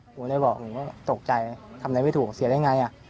ผมเลยบอกผมก็ตกใจทำอะไรไม่ถูกเสียได้ไง